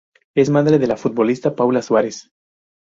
Es madre de la futbolista Paula Suárez.